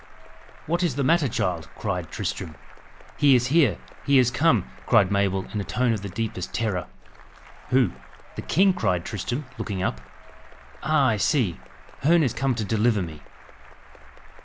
"What is the matter, child?" cried Tristram.. "He is here! he is come!" cried Mabel, in a tone of the deepest terror. "Who the king?" cried Tristram, looking up. "Ah! I see! Herne is come to deliver me."